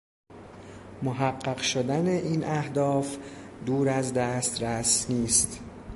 محقق شدن این اهداف دور از دسترس نیست